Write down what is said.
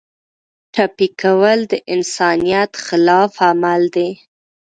ټپي کول د انسانیت خلاف عمل دی.